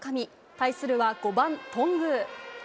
対するは５番頓宮。